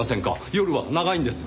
夜は長いんです。